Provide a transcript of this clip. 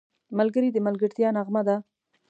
ملګری د ملګرتیا نغمه ده